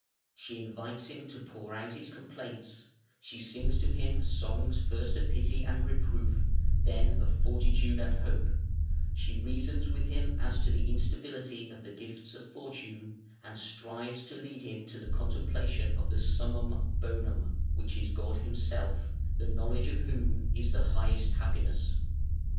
She invites him to pour out his complaints; she sings to him songs first of pity and reproof, then of fortitude and hope; she reasons with him as to the instability of the gifts of Fortune, and strives to lead him to the contemplation of the Summum Bonum, which is God Himself, the knowledge of whom is the highest happiness.